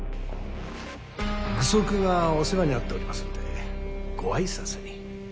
愚息がお世話になっておりますのでご挨拶に。